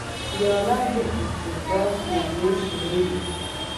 پیاله د انتظار شېبې شمېري.